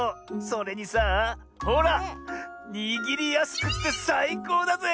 それにさあほらにぎりやすくってさいこうだぜ！